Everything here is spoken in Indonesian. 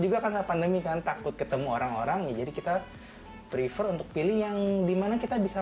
juga karena pandemi kan takut ketemu orang orang ya jadi kita prefer untuk pilih yang dimana kita bisa